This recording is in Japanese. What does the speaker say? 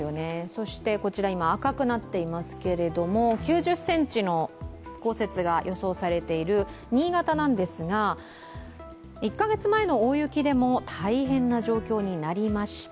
今、赤くなっていますけど、９０ｃｍの降雪が予想されている新潟なんですが、１か月前の大雪でも大変な状況になりました。